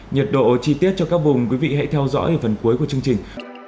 nhiệt độ chi tiết cho các vùng quý vị hãy theo dõi ở phần cuối của chương trình